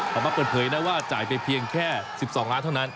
ออกมาเปิดเผยนะว่าจ่ายไปเพียงแค่๑๒ล้านเท่านั้น